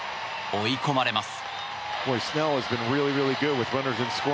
追い込まれます。